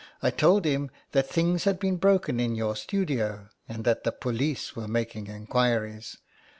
I told him that things had been broken in your studio, and that the police were making inquiries.